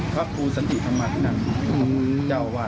พระครูสันติธรรมาธินันเจ้าวาด